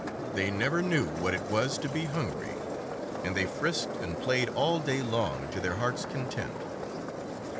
They never knew what it was to be hungry, and they frisked and played all day long to their hearts' content.